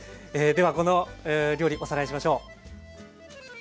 ではこの料理おさらいしましょう。